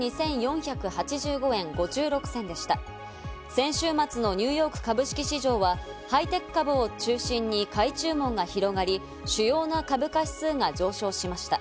先週末のニューヨーク株式市場は、ハイテク株を中心に買い注文が広がり、主要な株価指数が上昇しました。